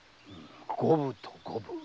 五分と五分。